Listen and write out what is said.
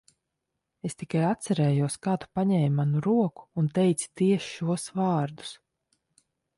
Es tikai atcerējos, kā tu paņēmi manu roku un teici tieši šos vārdus.